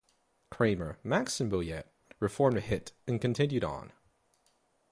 Kramer, Max and Boyette reformed Hit and continued on.